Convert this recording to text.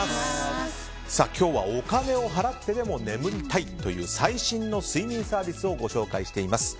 今日はお金を払ってでも眠りたいという最新の睡眠サービスをご紹介しています。